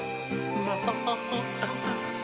アハハハ。